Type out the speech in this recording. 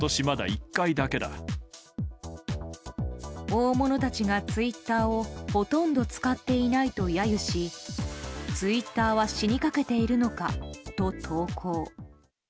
大物たちが、ツイッターをほとんど使っていないと揶揄しツイッターは死にかけているのかと投稿。